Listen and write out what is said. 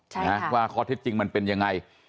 ใช่นะว่าข้อเท็จจริงมันเป็นยังไง